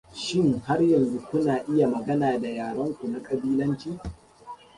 Shin har yanzu kuna iya magana da yarenku na kabilanci?